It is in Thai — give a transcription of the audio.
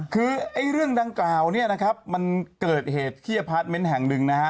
คือเรื่องดังกล่าวเนี่ยนะครับมันเกิดเหตุที่อพาร์ทเมนต์แห่งหนึ่งนะฮะ